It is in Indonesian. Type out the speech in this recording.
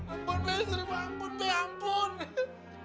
ampun be serius ampun be ampun